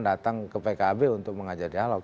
datang ke pkb untuk mengajak dialog